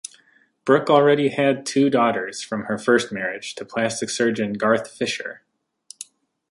Brooke already had two daughters from her first marriage to plastic surgeon Garth Fisher.